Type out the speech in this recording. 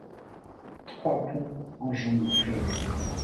Trois ponts enjambent le fleuve.